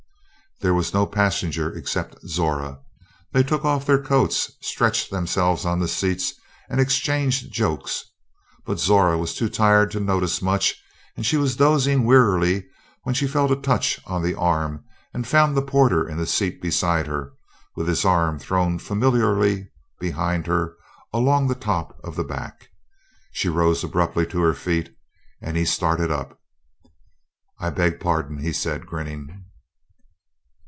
There was no passenger except Zora. They took off their coats, stretched themselves on the seats, and exchanged jokes; but Zora was too tired to notice much, and she was dozing wearily when she felt a touch on the arm and found the porter in the seat beside her with his arm thrown familiarly behind her along the top of the back. She rose abruptly to her feet and he started up. "I beg pardon," he said, grinning.